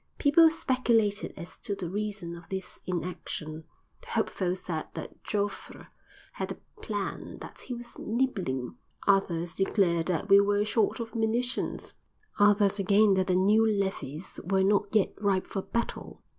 People speculated as to the reason of this inaction; the hopeful said that Joffre had a plan, that he was "nibbling," others declared that we were short of munitions, others again that the new levies were not yet ripe for battle.